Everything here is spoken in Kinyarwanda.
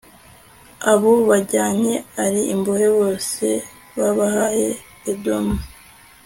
abo bajyanye ari imbohe bose babahaye Edomu